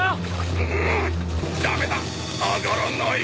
んぐっダメだ上がらない！